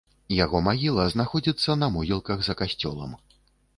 Яго магіла знаходзіцца на могілках за касцёлам.